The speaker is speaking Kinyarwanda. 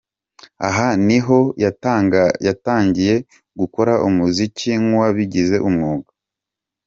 Aha ni ho yatangiye gukora umuziki nk’uwabigize umwuga.